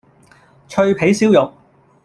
脆皮燒肉